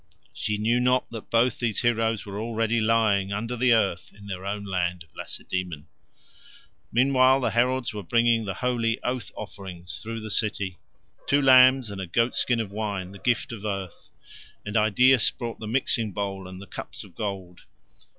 She knew not that both these heroes were already lying under the earth in their own land of Lacedaemon. Meanwhile the heralds were bringing the holy oath offerings through the city—two lambs and a goatskin of wine, the gift of earth; and Idaeus brought the mixing bowl and the cups of gold.